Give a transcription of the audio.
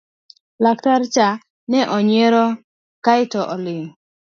laktar cha nonyiero aeto oling'